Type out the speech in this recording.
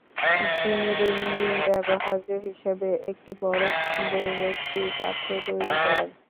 তিনি দৈনন্দিন ব্যবহার্য হিসেবেও একটি বরফ ভর্তি পাত্র তৈরি করেন।